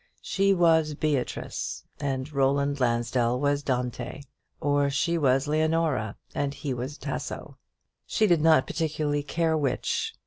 She was Beatrice, and Roland Lansdell was Dante; or she was Leonora, and he was Tasso; she did not particularly care which.